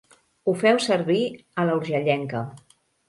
Ho feu servir a la urgellenca.